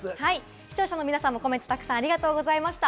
視聴者の皆様もコメントを沢山ありがとうございました。